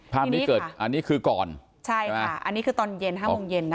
ภาพนี้เกิดอันนี้คือก่อนใช่ค่ะอันนี้คือตอนเย็นห้าโมงเย็นนะ